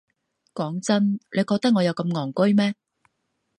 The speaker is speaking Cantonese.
講真，你覺得我有咁戇居咩？